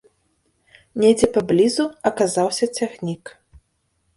Недзе паблізу аказаўся цягнік.